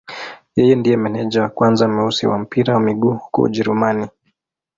Yeye ndiye meneja wa kwanza mweusi wa mpira wa miguu huko Ujerumani.